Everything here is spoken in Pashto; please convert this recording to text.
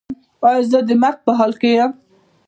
ایا زه د مرګ په حال کې یم؟